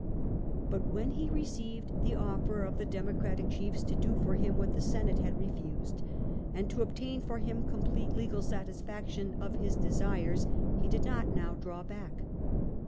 But when he received the offer of the Democratic chiefs to do for him what the Senate had refused, and to obtain for him complete legal satisfaction for his desires, he did not now hold back.